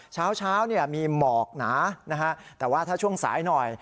เช้ามีหมอกหนานะฮะแต่ว่าถ้าช่วงสายหน่อย